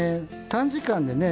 短時間でね